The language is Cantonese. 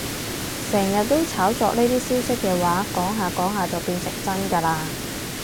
成日都炒作呢啲消息嘅話，講下講下就變成真㗎喇